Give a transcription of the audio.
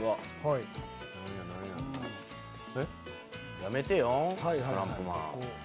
やめてよトランプマン。